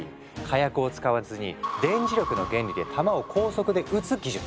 火薬を使わずに電磁力の原理で弾を高速で撃つ技術。